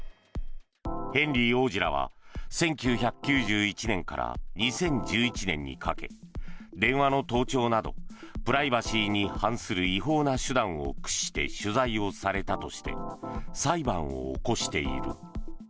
ヘンリー王子らは１９９１年から２０１１年にかけ電話の盗聴などプライバシーに反する違法な手段を駆使して取材をされたとして裁判を起こしている。